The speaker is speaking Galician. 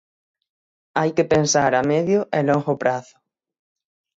Hai que pensar a medio e longo prazo.